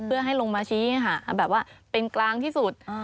เพื่อให้ลงมาชี้แบบว่าเป็นกลางที่สุด